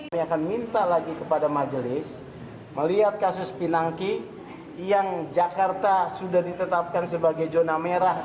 kami akan minta lagi kepada majelis melihat kasus pinangki yang jakarta sudah ditetapkan sebagai zona merah